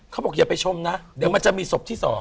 อย่าไปชมนะเดี๋ยวมันจะมีศพที่๒